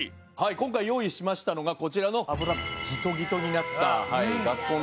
今回用意しましたのがこちらの油ギトギトになったガスコンロなんですけども。